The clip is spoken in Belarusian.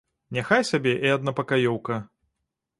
Няхай сабе і аднапакаёўка.